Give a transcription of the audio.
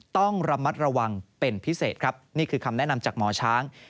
ต้องระมัดระวังเป็นพิเศษครับนี่คือคำแนะนำจากหมอช้าง